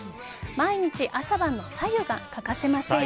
毎日朝晩の白湯が欠かせません。